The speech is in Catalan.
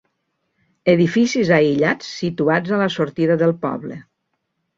Edificis aïllats situats a la sortida del poble.